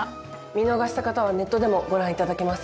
見逃した方はネットでもご覧頂けます。